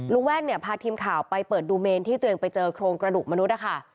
แว่นเนี่ยพาทีมข่าวไปเปิดดูเมนที่ตัวเองไปเจอโครงกระดูกมนุษย์นะคะ